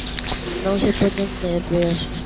Non se poñan nerviosos.